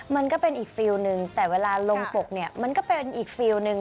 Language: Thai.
มันก็เป็นอีกฟิลล์หนึ่งแต่เวลาลงปกเนี่ยมันก็เป็นอีกฟิลล์หนึ่ง